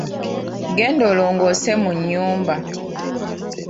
Genda olongoose mu nnyumba.